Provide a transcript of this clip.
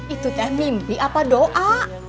itu teh mimpi apa doa